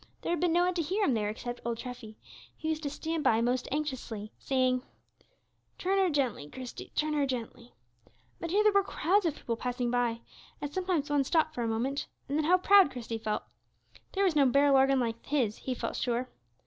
There had been no one to hear him there except old Treffy, who used to stand by most anxiously, saying, "Turn her gently, Christie; turn her gently." But here there were crowds of people passing by, and sometimes some one stopped for a minute, and then how proud Christie felt! There was no barrel organ like his, he felt sure.